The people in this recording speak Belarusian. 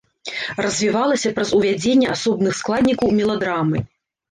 Развівалася праз увядзенне асобных складнікаў меладрамы.